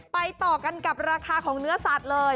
ต่อกันกับราคาของเนื้อสัตว์เลย